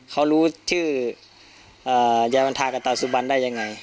เขารู้ชื่อยายวันทากับตาสุบันได้ยังไง